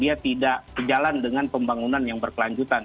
dia tidak berjalan dengan pembangunan yang berkelanjutan